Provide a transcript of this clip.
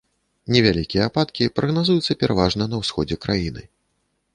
Невялікія ападкі прагназуюцца пераважна на ўсходзе краіны.